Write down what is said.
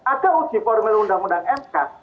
ada uji formil undang undang mk